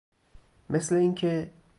مثل اینکه